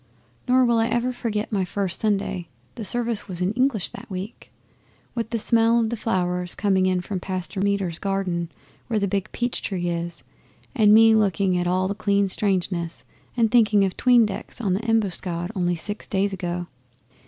Nor will I ever forget my first Sunday the service was in English that week with the smell of the flowers coming in from Pastor Meder's garden where the big peach tree is, and me looking at all the clean strangeness and thinking of 'tween decks on the Embuscade only six days ago.